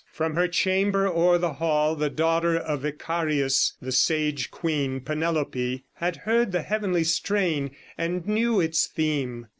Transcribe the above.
From her chamber o'er the hall The daughter of Icarius, the sage queen Penelope, had heard the heavenly strain, And knew its theme.